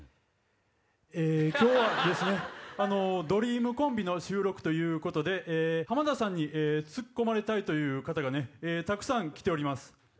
今日はですね「ドリームコンビ」の収録ということで浜田さんにツッコまれたい方がたくさん来ております。